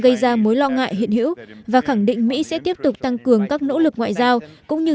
gây ra mối lo ngại hiện hữu và khẳng định mỹ sẽ tiếp tục tăng cường các nỗ lực ngoại giao cũng như